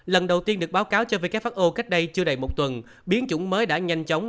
lần đầu tiên được báo cáo cho who cách đây chưa đầy một tuần biến chủng mới đã nhanh chóng